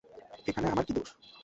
এখানে আমার কি দোষ।